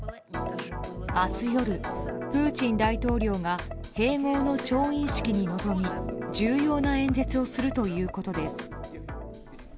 明日夜、プーチン大統領が併合の調印式に臨み重要な演説をするということです。